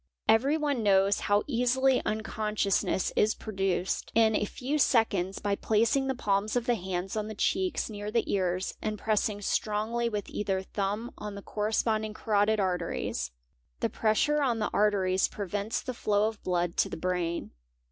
— Everyone knows how easily unconsciousness is produced, in a few . seconds, by placing the palms of the hands on the cheeks near the ears, and pressing strongly with either thumb on the corresponding carotid arteries", 'The pressure on the arteries prevents the flow of blood to the brain.